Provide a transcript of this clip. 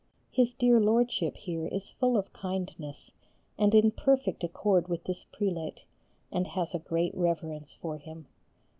His dear Lordship here is full of kindness, and in perfect accord with this prelate, and has a great reverence for him.